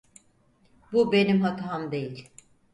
Bu benim hatam değil.